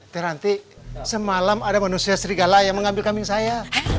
teranti semalam ada manusia serigala yang mengambil kambing saya